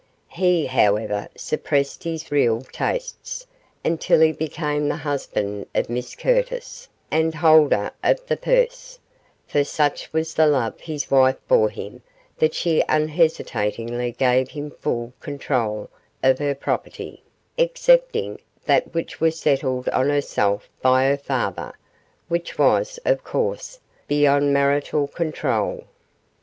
He, however, suppressed his real tastes until he became the husband of Miss Curtis, and holder of the purse for such was the love his wife bore him that she unhesitatingly gave him full control of all her property, excepting that which was settled on herself by her father, which was, of course, beyond marital control.